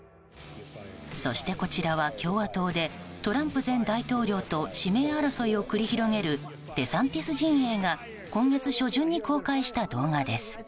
そして、こちらは共和党でトランプ前大統領と指名争いを繰り広げるデサンティス陣営が今月初旬に公開した動画です。